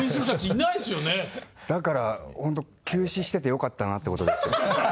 だからほんと休止しててよかったなってことですよ。